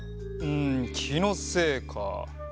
うんきのせいか。